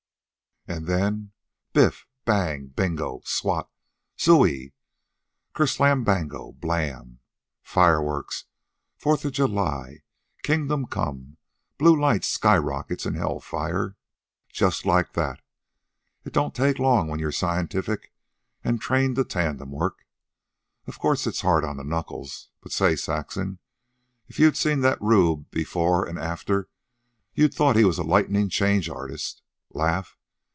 "An' then Biff! Bang! Bingo! Swat! Zooie! Ker slambango blam! Fireworks, Fourth of July, Kingdom Come, blue lights, sky rockets, an' hell fire just like that. It don't take long when you're scientific an' trained to tandem work. Of course it's hard on the knuckles. But say, Saxon, if you'd seen that rube before an' after you'd thought he was a lightnin' change artist. Laugh?